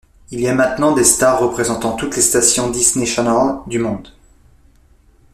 Il y a maintenant des stars représentants toutes les stations Disney Channel du monde.